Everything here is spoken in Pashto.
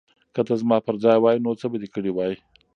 که ته زما پر ځای وای نو څه به دې کړي وای؟